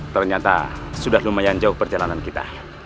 ternyata sudah lumayan jauh perjalanan kita